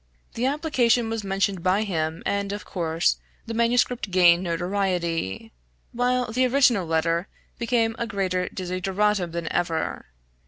The application was mentioned by him, and, of course, the manuscript gained notoriety, while the original letter became a greater desideratum than ever.